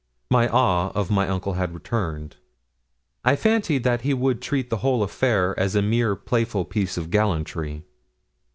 My awe of my uncle had returned. I fancied that he would treat the whole affair as a mere playful piece of gallantry.